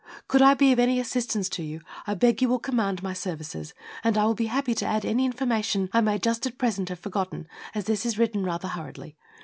Could I be of any assistance to you I beg you will command my services, and I will be happy to add any information I may just at present have forgotten, as this is written rather hurriedly.